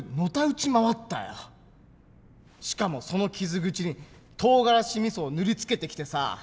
しかもその傷口にとうがらしみそを塗り付けてきてさ。